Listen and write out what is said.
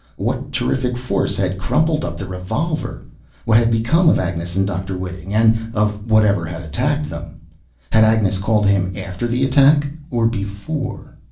What terrific force had crumpled up the revolver? What had become of Agnes and Dr. Whiting? And of whatever had attacked them? Had Agnes called him after the attack, or before?